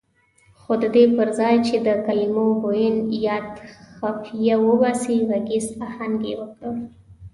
خو ددې پرځای چې د کلمو بوین باد خفیه وباسي غږیز اهنګ یې ورکړ.